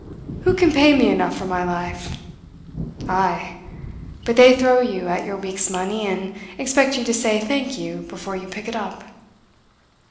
Who can pay me enough for my life? Ay! But they throw at you your week's money and expect you to say 'thank you' before you pick it up."